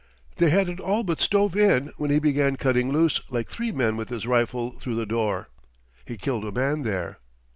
They had it all but stove in when he began cutting loose like three men with his rifle through the door. He killed a man there.